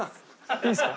いいですか？